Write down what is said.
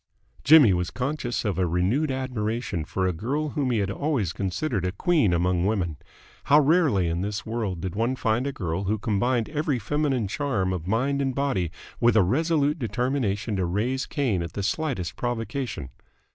Jimmy was conscious of a renewed admiration for a girl whom he had always considered a queen among women. How rarely in this world did one find a girl who combined every feminine charm of mind and body with a resolute determination to raise Cain at the slightest provocation!